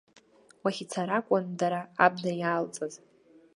Уахь ицар акәын дара, абна иаалҵыз.